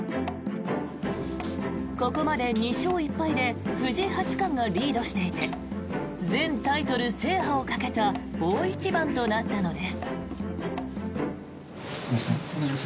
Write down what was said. ここまで２勝１敗で藤井八冠がリードしていて全タイトル制覇をかけた大一番となったのです。